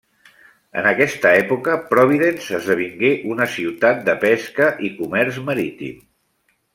En aquesta època, Providence esdevingué una ciutat de pesca i comerç marítim.